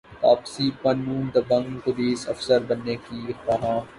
تاپسی پنو دبنگ پولیس افسر بننے کی خواہاں